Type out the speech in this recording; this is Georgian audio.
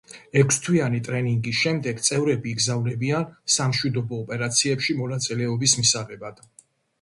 ექვსთვიანი ტრენინგის შემდეგ, წევრები იგზავნებიან სამშვიდობო ოპერაციებში მონაწილეობის მისაღებად.